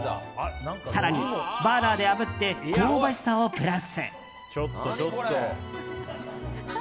更にバーナーであぶって香ばしさをプラス。